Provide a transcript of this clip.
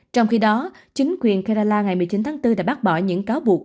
trong khi đó chính quyền karala ngày một mươi chín tháng bốn đã bác bỏ những cáo buộc